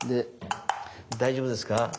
大丈夫ですか？